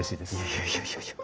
いやいやいやいや。